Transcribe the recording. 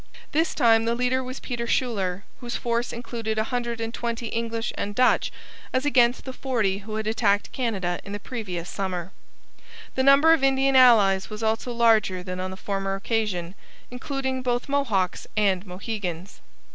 This time the leader was Peter Schuyler, whose force included a hundred and twenty English and Dutch, as against the forty who had attacked Canada in the previous summer. The number of Indian allies was also larger than on the former occasion, including both Mohawks and Mohegans.